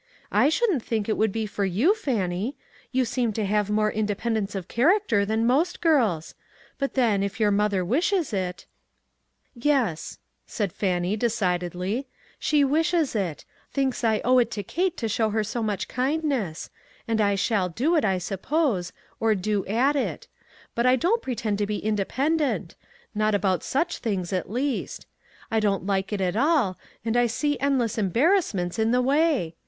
I shouldn't think it would be for you, Fan nie ; you seem to have more independence of character than most girls. But, then if your mother wishes it" —" Yes," said Fannie, decidedly, " she wishes it — thinks I owe it to Kate to show her so much kindness ; and I shall do it, I sup pose, or do at it; but I don't pretend to be independent — not about such things, at least. I don't like it at all, and I see end less embarrassments in the way.